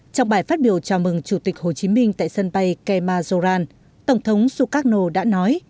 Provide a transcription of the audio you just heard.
trong bài phát biểu chào mừng chủ tịch hồ chí minh tại sân bay kemajoran tổng thống sukarno đã nói